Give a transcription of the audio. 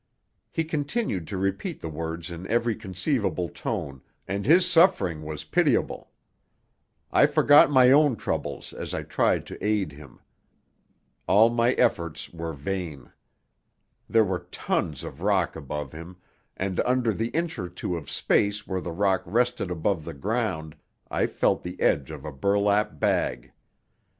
He continued to repeat the words in every conceivable tone, and his suffering was pitiable. I forgot my own troubles as I tried to aid him. All my efforts were vain. There were tons of rock above him, and under the inch or two of space where the rock rested above the ground I felt the edge of a burlap bag.